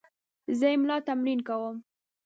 زه املا تمرین کوم.